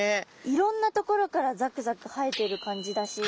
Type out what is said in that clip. いろんなところからザクザク生えている感じだし。